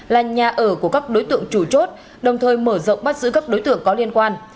là nhà ở của các đối tượng chủ chốt đồng thời mở rộng bắt giữ các đối tượng có liên quan